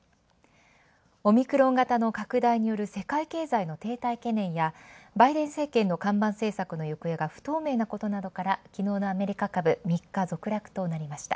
オミクロンがたの拡大による世界経済のていたい懸念やバイデン政権の看板政策の行方が不透明なことから昨日のアメリカ株、３日続落となりました。